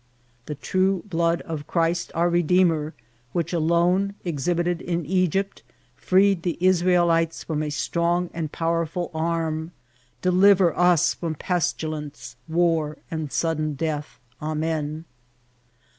" The true blood of Christ our Re deemer, which alone, exhibited in Egypt, freed the Is* raeUtes hom a strong and powerful arm, deliver us from pestilence, 'war, and sudden death. Amen.''